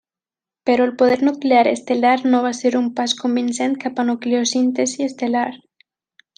Però el poder nuclear estel·lar no va ser un pas convincent cap a nucleosíntesi estel·lar.